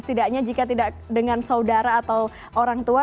tidaknya jika tidak dengan saudara atau orang tua